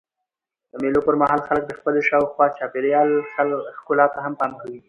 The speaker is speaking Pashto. د مېلو پر مهال خلک د خپلي شاوخوا چاپېریال ښکلا ته هم پام کوي.